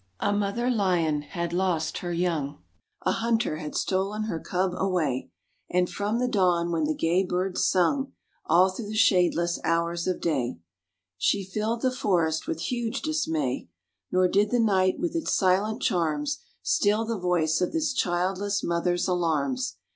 A Mother Lion had lost her young: A hunter had stolen her cub away; And from the dawn, when the gay birds sung, All through the shadeless hours of day, She filled the forest with huge dismay; Nor did the night, with its silent charms, Still the voice of this childless mother's alarms.